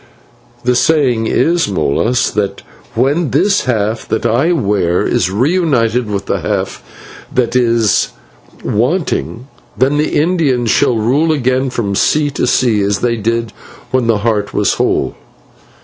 "The saying is, Molas, that when this half that I wear is reunited with the half that is wanting, then the Indians shall rule again from sea to sea, as they did when the Heart was whole."